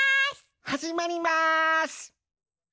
はじまります！